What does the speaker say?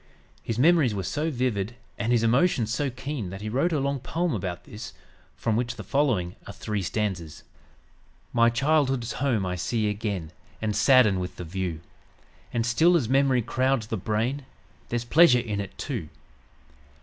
His memories were so vivid and his emotions so keen that he wrote a long poem about this, from which the following are three stanzas: "My childhood's home I see again And sadden with the view; And still, as memory crowds the brain, There's pleasure in it, too.